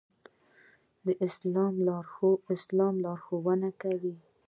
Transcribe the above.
اسلام لارښوونه کوي